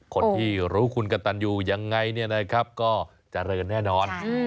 คนที่รู้คุณกระตันอยู่อย่างไรก็จริงแน่นอน